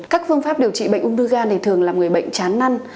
các phương pháp điều trị bệnh ung thư gan thường làm người bệnh chán năn